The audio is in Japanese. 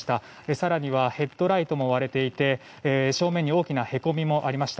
更にはヘッドライトも割れていて正面に大きなへこみもありました。